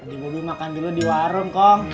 tadi bobi makan dulu di warung kong